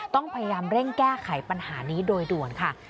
ต้องพยายามเร่งแก้ไขปัญหานี้โดยด่วนค่ะ